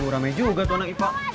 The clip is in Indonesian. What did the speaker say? waduh ramai juga tuh anak ipa